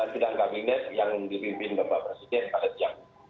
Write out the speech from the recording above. sidang kabinet yang dipimpin bapak presiden pada siang